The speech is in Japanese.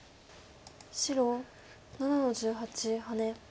白７の十八ハネ。